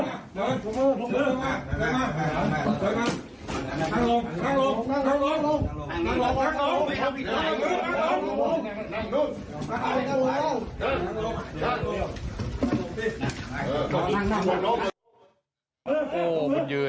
ยกมือมายกมือ